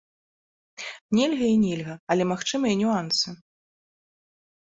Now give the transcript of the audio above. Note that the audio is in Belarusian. Нельга і нельга, але магчымыя нюансы!